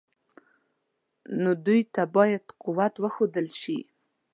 نو دوی ته باید قوت وښودل شي.